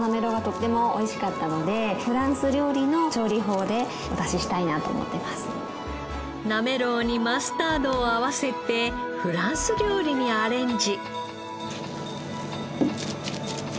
やはり漁師の渡辺さんのなめろうにマスタードを合わせてフランス料理にアレンジ。